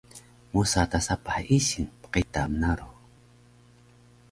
mosa ta sapah ising pqita mnarux